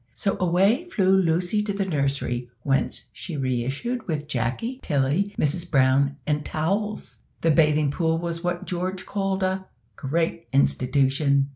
So away flew Lucy to the nursery, whence she re issued with Jacky, Tilly, Mrs Brown, and towels. The bathing pool was what George called a "great institution."